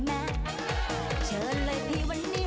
โจ๊กโจ๊กโจ๊กโจ๊กโจ๊กโจ๊กโจ๊กโจ๊ก